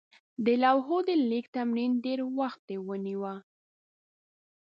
د لوحو د لیک تمرین ډېر وخت ونیوه.